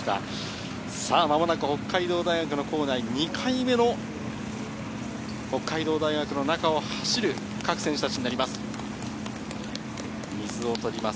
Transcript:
間もなく北海道大学の構内２回目の北海道大学の中を走る各選手たちになります。